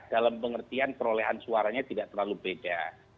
dalam pengertian perolehan suaranya tidak terlalu beda